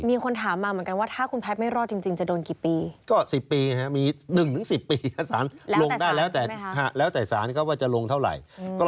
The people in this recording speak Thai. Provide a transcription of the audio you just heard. มีคนถามมาก็ว่าถ้าครัวแพทย์ไม่รอดจริงจะโดนกี่ปีก็สิบปีมี๑๑๐ปีภาษาลงด้วยแล้วแต่ศาลก็ว่าจะลงเท่าไหร่